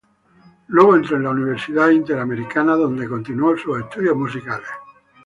Luego entró a la Universidad Interamericana donde continuó sus estudios musicales.